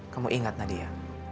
kamu ingat nadia